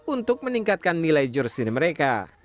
untuk meningkatkan nilai jersi mereka